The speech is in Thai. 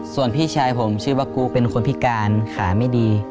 ส่วนพี่ชายผมชื่อว่ากูเป็นคนพิการขาไม่ดี